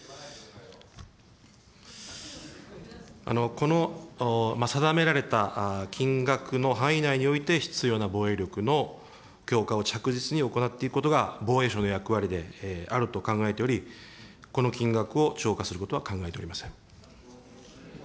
この定められた金額の範囲内において、必要な防衛力の強化を着実に行っていくことが防衛省の役割であると考えており、この金額を超過することは考えておりません。